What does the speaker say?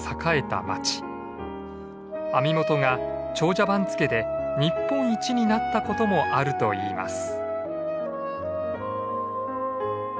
網元が長者番付で日本一になったこともあるといいます。